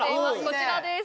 こちらです